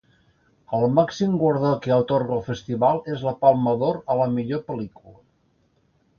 El màxim guardó que atorga el festival és la Palma d'Or a la millor pel·lícula.